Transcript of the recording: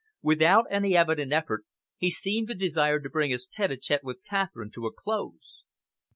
Without any evident effort, he seemed to desire to bring his tete a tete with Catherine to a close.